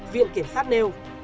viện kiểm sát nêu